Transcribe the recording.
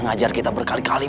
ngajar kita berkali kali